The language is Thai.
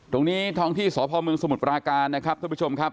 ตรงนี้ท้องที่สพมสมุทรปราการนะครับท่านผู้ชมครับ